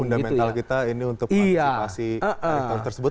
wadah fundamental kita ini untuk manajerasi rektor tersebut